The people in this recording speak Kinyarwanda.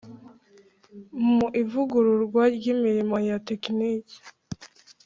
mu ivugururwa ry'imirimo ya tekiniki